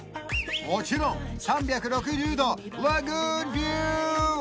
もちろん３６０度ラグーンビュー